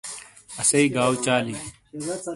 اسی گاو چالی